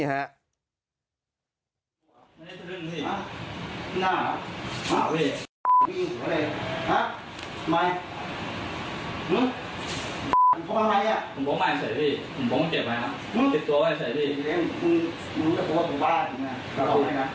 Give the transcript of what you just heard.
ทำไมหาเหรอเหรอหาเหรอหาเหรอหาเหรอ